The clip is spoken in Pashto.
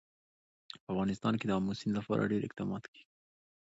په افغانستان کې د آمو سیند لپاره اقدامات کېږي.